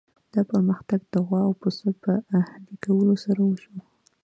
دا پرمختګ د غوا او پسه په اهلي کولو سره وشو.